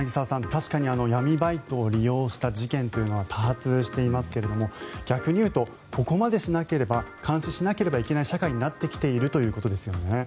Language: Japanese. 確かに闇バイトを利用した事件というのは多発していますけれども逆に言うとここまでしなければ監視しなければいけない社会になってきているということですよね。